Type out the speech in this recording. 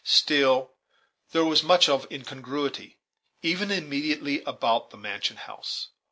Still, there was much of in congruity, even immediately about the mansion house.